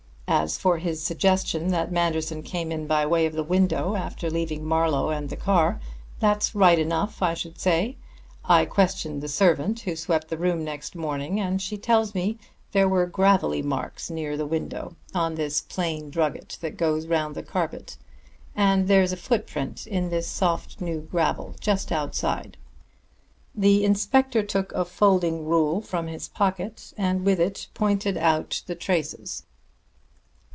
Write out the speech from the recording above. As for his suggestion that Manderson came in by way of the window after leaving Marlowe and the car, that's right enough, I should say. I questioned the servant who swept the room next morning, and she tells me there were gravelly marks near the window, on this plain drugget that goes round the carpet. And there's a footprint in this soft new gravel just outside." The inspector took a folding rule from his pocket and with it pointed out the traces.